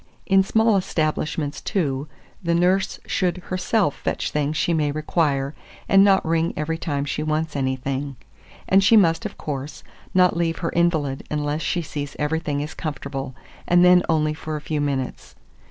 In small establishments, too, the nurse should herself fetch things she may require, and not ring every time she wants anything; and she must, of course, not leave her invalid unless she sees everything is comfortable; and then only for a few minutes.